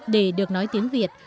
để được nói tiếng việt